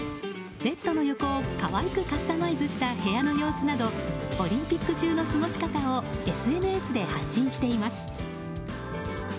ベッドの横を可愛くカスタマイズした部屋の様子などオリンピック中の過ごし方をＳＮＳで発信しています。